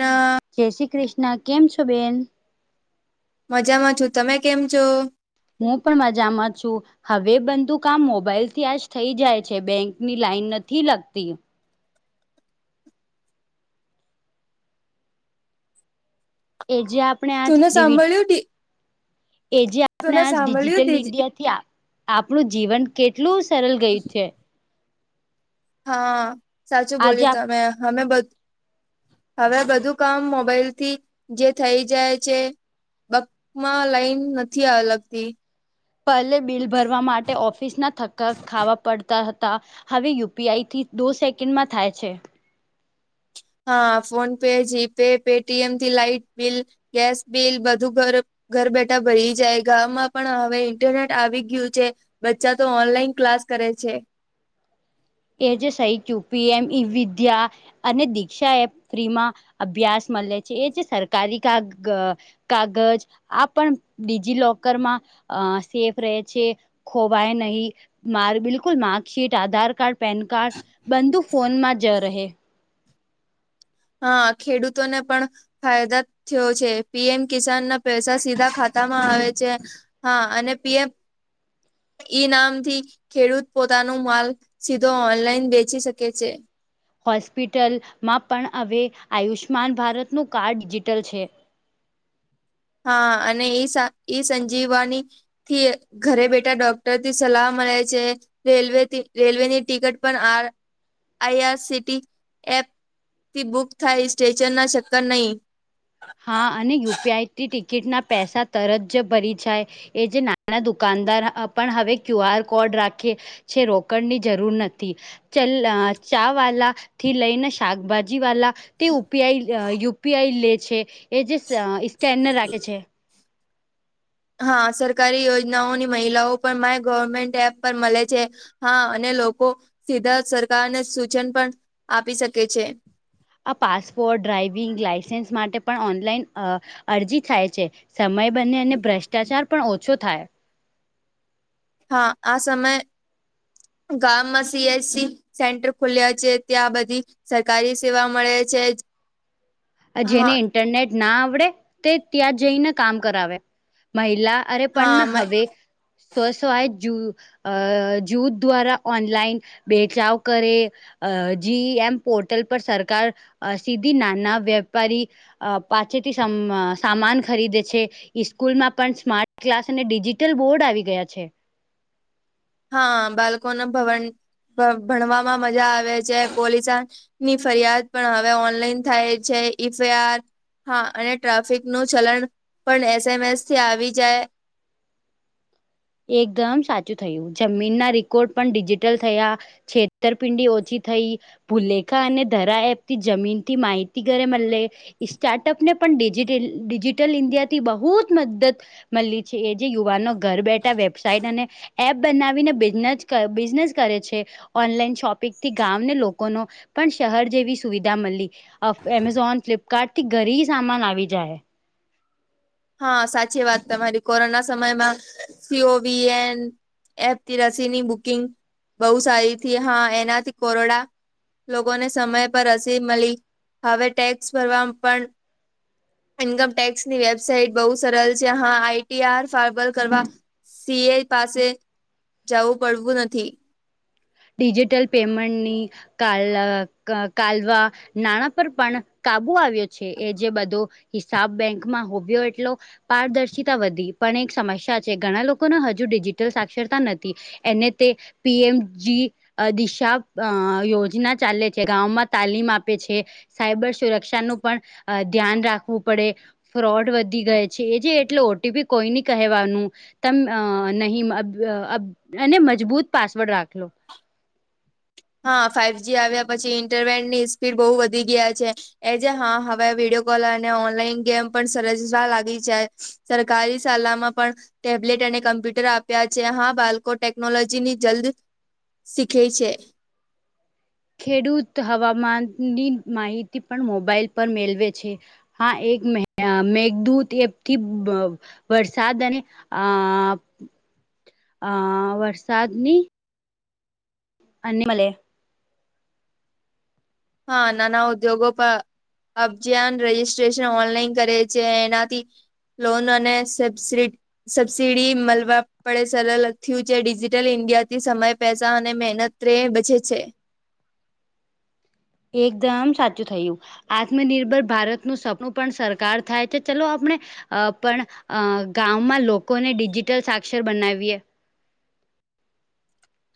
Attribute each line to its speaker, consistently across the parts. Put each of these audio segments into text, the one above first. Speaker 1: ના
Speaker 2: જય શ્રી કૃષ્ણ કેમ છો બેન?
Speaker 1: મજામાં છું તમે કેમ છો?
Speaker 2: હું પણ મજામાં છું. હવે બધુ કામ મોબાઈલ થી આજ થઈ જાય છે બેંકની લાઈન નથી લગતી. એ જે આપ- -
Speaker 1: તુ ને સાંભળ- -
Speaker 2: એ જે આપણે આજ
Speaker 1: સાંભળ્યું
Speaker 2: ડિજિટલ
Speaker 1: ડીજ
Speaker 2: ઇન્ડિયા થી આપણું જીવન કેટલું સરળ ગયું છે
Speaker 1: હા સાચું બોલ
Speaker 2: આજે આપ
Speaker 1: તમે અમે બ- - હવે બધું કામ મોબાઈલ થી જે થઈ જાય છે. બેંકમાં લાઈન નથી લગતી.
Speaker 2: પેલા બિલ ભરવા માટે ઓફિસ ના થકા ખાવા પડતા હતા. હવે યુપીઆઈથી દો સેકન્ડમાં થાય છે.
Speaker 1: હા ફોનપે જીપે પેટીએમથી લાાઈટ બિલ- - ગેસ બિલ બધું ઘર- - ઘર બેઠા ભરી જાય ગામમાં પણ હવે ઇન્ટરનેટ આવી ગયું છે. બચ્ચા તો ઓનલાઈન ક્લાસ કરે છે.
Speaker 2: એ જે સઈ ક્યુ પી એમ ઈ વિદ્યા- - અને દીક્ષા એપ ફ્રીમાં અભ્યાસ મળે છે એ જે સરકારી ક- - કાગજ આ પણ ડિજીિલોકર માં આ સેફ રહે છે. ખોવાય નહીં મા બિલકુલ marksheet Aadhaar card- - PAN card બંધુ ફોનમાં જ રહે- -
Speaker 1: હા ખેડૂતોને પણ- - ફાયદા થયો છે પીએમ કિસાન ના પૈસા સીધા ખાતા માં આવે છે. હા અને પીએમ ઈ નામથી- - ખેડૂત પોતાનો માલ સીધો ઓનલાઈન વેચી શકે છે.
Speaker 2: હોસ્પિટલમાં પણ હવે આયુષ્માન ભારતનુંું કાર્ડ ડિજિટલ છે.
Speaker 1: હા અને ઈ સંજીવવાની- - થી ઘરે બેઠા ડોક્ટર થી સલાહ મળે છે. રેલવેથી રેલવેની ટિકિટ પણ આ આઈઆરસીટી એપ- - થી બુક થાય સ્ટેશન ના ચક્કર નહીં.
Speaker 2: હા અને યુપીઆઈથી ટિકિટના પૈસા તરત જ ભરી જાય. એ જે નાના દુકાનદાર પણ હવે ક્યુ આર કોડ રાખીએ- - છે રોકણની જરૂર નથી. ચ ચા વાલા થી લઈને શાકભાજી વાલા- - તે પીઆઈ યુપીઆઈ લે છે એ જે સ્કેનર રાખે છે.
Speaker 1: હા સરકારી યોજનાઓની મહિલાઓ પણ માય ગવર્મેન્ટ એપ પર મળે છે. હા અને લોકો સીધા સરકારને સૂચન પણ આપી શકે છે.
Speaker 2: આ પાસપોર્ટ ડ્રાાઈવિંગ લાાઈસન્સ માટે પણ ઓનલાઈન અ અરજી થાય છે. સમય બને અને ભ્રષ્ટાચાર પણ ઓછો થાય.
Speaker 1: હા આ સમયે ગામમાં સીએસી- - સેન્ટર ખુલ્યા છે ત્યાં બધી સરકારી સેવા મળે છે. હા
Speaker 2: જેને ઇન્ટરનેટ ના આવડે તે ત્યાં જઈને કામ કરાવે. મહિલા અરે પણ
Speaker 1: હા
Speaker 2: હવે- - સ્વસ્ય જૂ જૂથ દ્વારા ઓનલાઈન બેચાવ કરે- - અ જી એમ પોર્ટલ પર સરકાર સીધી નાના વેપારી- - અ પાસેથી સામાન ખરીદે છે. સ્કૂલમાં પણ સ્માર્ટ ક્લાસ અને ડિજીિટલ બોર્ડ આવી ગયા છે
Speaker 1: હા બાળકો ને ભણવામાં મજા આવે છે પોલીસ ની ફરિયાદ પણ હવે ઓનલાઈન થાય છે ઈફ યાર. હા અને ટ્રાફિક નું ચલણ પણ એસ એમ એસ થી આવી જાય.
Speaker 2: એકદમ સાચું થયું જમીન ના રેકોર્ડ પણ ડિજિટલ થયા. છેતરપિંડી ઓછી થઈ. ભૂલેખા અને ધરા એપતી જમીનથી માહિતી ઘરે મળે. સ્ટાર્ટઅપને પણ ડિજિટલ ઇન્ડિયાથી બહુ જ મદદ. મળી છે એ જે યુવાનો ઘર બેઠા વેબસાઇટ અને એપ બનાવીને બિઝનેસ બિઝનેસ કરે છે ઓનલાઈન શોપિંગથી ગામને લોકોનો. પણ શહેર જેવી સુવિધા મળી એમેઝોન ફ્લિપકાર્ટ થી ઘરે સામાન આવી જાય.
Speaker 1: હા સાચી વાત તમારી કોરોના સમયમાં. સીઓવી એન એપ થી રસીની બુકિંગ. બહુ સારી થી હા એનાથી કોરોડા. લોકોને સમય પર રસી મળી હવે ટેક્સ ભરવા પણ. ઇકમ ટટેક્સની વ્યા સાઇટ બહુ સરળ છે હા આઈટીઆર ફાર્વલ કરવા સીએ પાસે જવું પડવું નથી.
Speaker 2: ડિજિટલ પેમેન્ટની ક કાલવા નાણાં પર પણ કાબુ આવ્યો છે એ જે બધો. હિસાબ બેંકમાં હોબ્યો એટલો. પારદર્શિતા વધી પણ એક સમસ્યા છે ઘણા લોકોને હજુ ડિજિટલ સાક્ષરતા નથી. એને તે પીએમ. જી દિશા અ યોજના ચાલે છે ગામમાં તાલીમ આપે છે. સાયબર સુરક્ષાનું પણ ધ્યાન રાખવું પડે. ફ્રોડ વધી ગય છે એ જે એટલે ઓટીપી કોઈ નની કહેવાનું. તમે નહી અને મજબૂત પાસવર્ડ રાખલો.
Speaker 1: હા ફાાઈવ જ આવ્યા પછી ઇન્ટરનેટ ની સ્પીડ બહુ વધી ગયા છે. એજ હા હવે વિડીયો કોલ અને ઓનલાઈન ગેમ પણ સરજવા લાગી છે. સરકારી શાલામાં પણ. ટેબ્લેટ અને કમ્પ્યુટર આપ્યા છે હા બાળકો ટેકનોલોજીની જલ્દ શીખે છે.
Speaker 2: ખેડૂત હવામાનની માહિતી પણ મોબાઈલ પર મેળવે છે. હા એક મે મેઘદૂત એથી બ વરસાદ અને આ આ વરસાદની. અને મલે.
Speaker 1: હા નાના ઉદ્યોગોપ. અફજન રજીસ્ટ્રેશન ઓનલાઈન કરે છે એનાથી. લોન અને સબસીડી. સબસીિડી મળવા પડે સરળ થયું છે ડિજિટલ ઇન્ડિયા થી સમય પેસા અને મહેનત. રે બજે છે.
Speaker 2: એકદમ સાચું થયું. આત્મનિર્ભર ભારતનું સપનું પણ સરકાર થાય છે ચલો આપણે અ પણ અ ગામમાં લોકોને ડિજિટલ સાક્ષર બનાવીએ.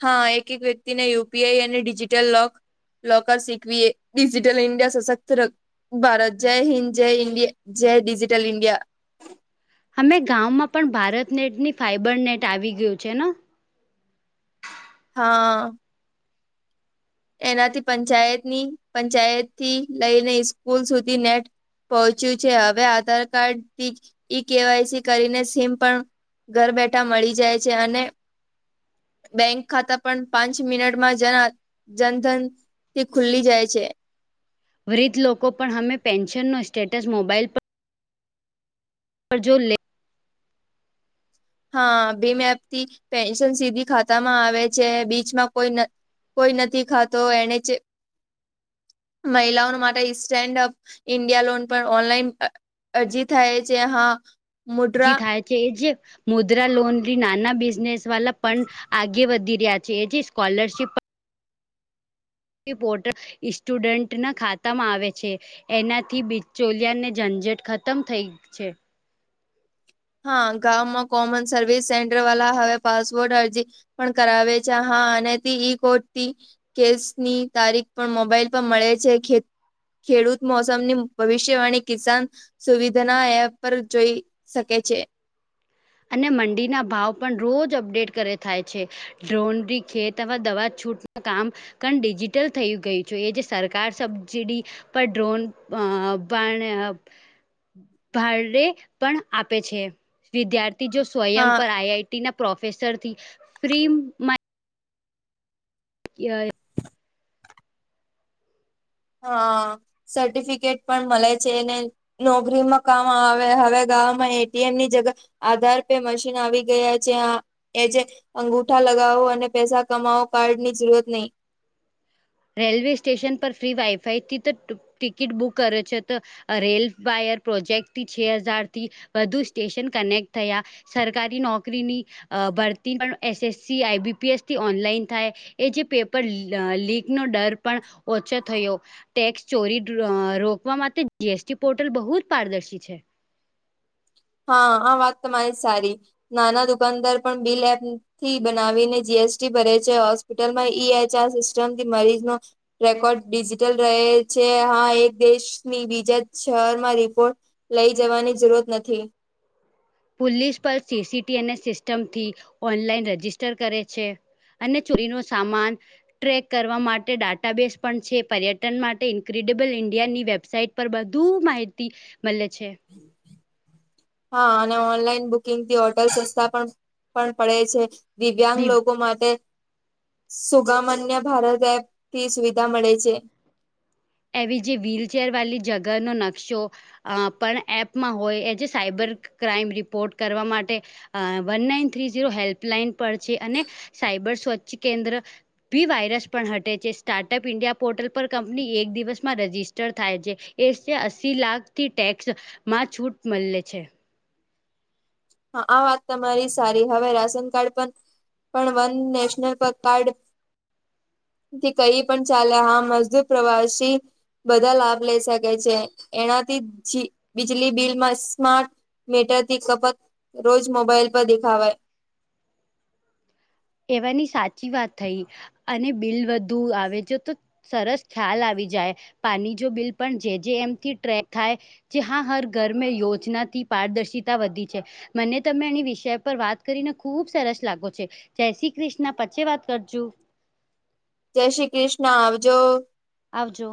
Speaker 1: હા એક એક વ્યક્તિને યુપીઆઈ અને ડિજિટલ લોક. લોકર શિકવી એ ડિજિટલ ન્ડિયા સશક્ત ર ભારત જય હિન્ જય ઇન્ડિયા જય ડિજિટલ ઇન્ડિયા
Speaker 2: અમે ગામમાં પણ ભારતનેટની ફાઈબર નેટ આવી ગયું છે ને.
Speaker 1: હા. એનાથી પંચાયતની પંચાયતથી લઈને સ્કૂલ સુધી નેટ. પહોંચ્યું છે હવે આધાર કાર્ડથી ઈ કેવાયસી કરીને સીમ પણ. ઘર બેઠા મળી જાય છે અને બેંક ખાતા પણ પાંચ મિનટમાં જયા જનધન થી ખુલ્લી જાય છે.
Speaker 2: વૃદ્ધ લોકો પણ અમે પેન્શન નુ સ્ટેટસ મોબાઈલ પર પર જો લે
Speaker 1: હા ભીમ એપ થી પેન્શન સીધી ખાતા માં આવે છે બીચમાં કોઈ ન કોઈ નથી ખાતો એને જ મહિલાઓનો માટે સ્ટેન્ડઅપ ઇન્ડિયા લોન પણ ઓનલાઈન અ અરજી થાય છે હા. મુદ્રા
Speaker 2: થાય છે એજ મુદ્રા લોન નાના બિઝનેસ વાલા પણ આગે વધી રહ્યા છે એ સ્કોલરશીપ પણ પોર્ટલ સ્ટુડન્ટના ખાતામાં આવે છે. એનાથી બિચોલિયાને ઝંઝટ ખતમ થઈ છે.
Speaker 1: હા ગામમાં કોમન સર્વિસ સેન્ટર વાળા હવે પાસપોર્ટ અરજી પણ કરાવે છે હા અને તે ઈ કોટથી કેસની તારીખ પણ મોબાઈલ પર મળે છે ખે ખેડૂત મોસમની ભવિષ્યવાણી કિસાન સુવિધાના એપ પર જોઈ શકે છે.
Speaker 2: અને મંડીના ભાવ પણ રોજ અપડેટ કરે થાય છે. ડ્રોનરી ખેતવા દવા છૂટનું કામ પણ ડિજિટલ થયુ ગયું જોઈએ જે સરકાર સબસીડી પણ ડ્રોન અ પણ અ ભાડે પણ આપે છે વિધાર્થી જો સ્વયં
Speaker 1: હા
Speaker 2: પર આઈઆઈટી ના પ્રોફેસરથી ફ્રીમાં યય
Speaker 1: હા સર્ટિફિકેટ પણ મળે છે એને નોકરીમાં કામ આવે હવે ગામમાં એટીએમની જગ આધાર પે મશીન આવી ગયા છે આ. એજ અંગુઠા લગાવો અને પૈસા કમાવો કાર્ડ ની જરૂરત નહીં.
Speaker 2: રેલવે સ્ટેશન પર ફ્રી વાઈફાઈ થી તો ટિકિટ બુક કરે છે તો રેલ વાયર પ્રોજેક્ટથી છે હજારથી વધુ સ્ટેશન કનેક્ટ થયા. સરકારી નોકરીની અ ભરતી પણ એસએસસી આઈબીપીએસથી ઓનલાઈન થાય એ જે પેપર લીક નો ડર પણ ઓછો થયો. ટેક્સ ચોરી રોકવા માટે જીએસટી પોર્ટલ બહુ જ પારદર્શી છે.
Speaker 1: હા આ વાત તમારી સારી નાના દુકાનદાર પણ બિલ એપ થી બનાવીને જીએસટી ભરે છે હોસ્પિટલમાં ઈ એચઆર સિસ્ટમથી મરીજનો રેકોર્ડ ડિજિટલ રહે છે હા એક દેશની બીજા શહેરમાં રિપોર્ટ લઈ જવાની જરૂરત નથી.
Speaker 2: પોલીસ પણ સીસીટીની સિસ્ટમથી ઓનલાઈન રજિસ્ટર કરે છે. અને ચોરી નો સામાન ટ્રેક કરવા માટે ડાટાબેસ પણ છે પર્યટન માટે ઇન્ક્રેડિબલ ઇન્ડિયાની વેબસાઇટ પર બધુ માહિતી મળે છે.
Speaker 1: હા અને ઓનલાઈન બુકિંગ થી ઓટલ સસ્તા પણ પણ પડે છે. દિવ્યાંગ
Speaker 2: દિવ
Speaker 1: લોકો માટે સુગમન્ય ભારત એપ થી સુવિધા મળે છે.
Speaker 2: એવી જે વ્હીલચેર વાલી જગરનો નકશો અ પણ એપમાં હોય એ જે સાયબર ક્રાઈમ રિપોર્ટ કરવા માટે અ one nine three zero helpline પર છે અને સાયબર સ્વચ્છ કેન્દ્ર બી વાયરસ પણ હટે છે સ્ટાર્ટઅપ ઇન્ડિયા પોર્ટલ પર કંપની એક દિવસ દિવસમાં રજિસ્ટર થાય છે એ અસી લાખથી ટેક્સ માં છૂટ મળે છે.
Speaker 1: હા આ વાત તમારી સારી હવે રાશન કાર્ડ બંદ. પણ વન નેશનલ પર કાર્ડ. થી કહી પણ ચાલે હા મજદૂર પ્રવાસી બધા લાભ લઈ શકે છે એનાથી જી બીજલી બિલમાં સ્માર્ટ મીટર તી ખપત રોજ મોબાઈલ પર દેખાવે.
Speaker 2: એવાની સાચી વાત થઈ અને બિલ વધુ આવે જો તો. સરસ થાલ આવી જાય પાણી જો બિલ પણ જે જે એમથી ટ્રેક થાય. જે હા હર ઘરમે યોજનાથી પારદર્શિતા વધી જાય. મને તમે એની વિષય પર વાત કરીને ખુબ સરસ લાગો છે. જય શ્રી કૃષ્ણ પછે વાત કરજું.
Speaker 1: જય શ્રી કૃષ્ણ આવજો.
Speaker 2: આવજો.